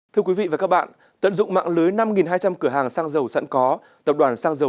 thưa quý vị và các bạn tận dụng mạng lưới năm hai trăm linh cửa hàng xăng dầu sẵn có tập đoàn sang dầu